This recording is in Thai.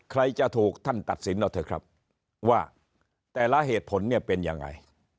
ใครจะถูกท่านตัดสินเอาเถอะครับว่าแต่ละเหตุผลเนี่ยเป็นยังไง